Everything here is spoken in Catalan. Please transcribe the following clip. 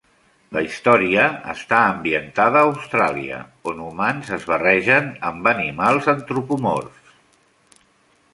La història està ambientada a Austràlia on humans es barregen amb animals antropomorfs.